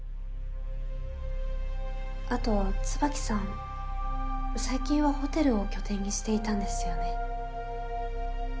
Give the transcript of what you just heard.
あと椿さん最近はホテルを拠点にしていたんですよね？